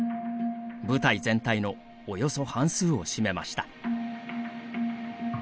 部隊全体のおよそ半数を占めました。